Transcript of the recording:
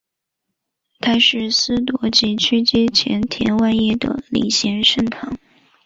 也是司铎级枢机前田万叶的领衔圣堂。